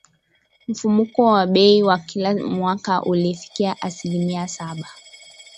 Mfumuko wa bei wa kila mwaka ulifikia asilimia saba